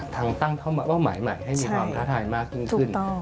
ตั้งเข้ามาเป้าหมายใหม่ให้มีความท้าทายมากยิ่งขึ้น